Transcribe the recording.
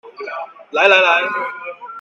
來來來